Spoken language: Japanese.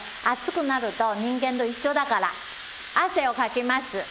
熱くなると人間と一緒だから汗をかきます。